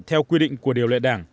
theo quy định của điều lệ đảng